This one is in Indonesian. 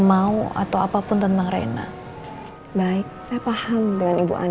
mau atau apapun tentang rena baik saya paham dengan ibu andin tapi ibu jangan